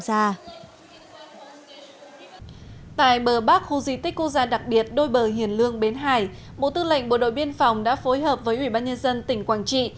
tại bờ bắc khu di tích quốc gia đặc biệt đôi bờ hiền lương bến hải bộ tư lệnh bộ đội biên phòng đã phối hợp với ủy ban nhân dân tỉnh quảng trị